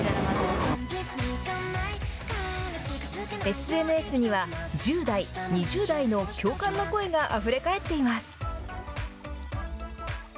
ＳＮＳには、１０代、２０代の共感の声があふれかえっています。